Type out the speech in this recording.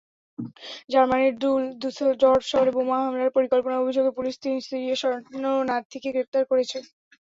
জার্মানির ডুসেলডর্ফ শহরে বোমা হামলার পরিকল্পনার অভিযোগে পুলিশ তিন সিরীয় শরণার্থীকে গ্রেপ্তার করেছে।